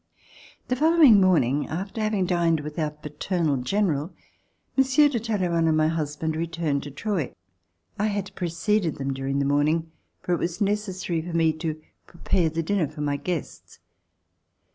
The following morning, after having dined with our paternal General, Monsieur de Talleyrand and my husband returned to Troy. I had preceded them dur ing the morning, for it was necessary for me to prepare the dinner for my guests.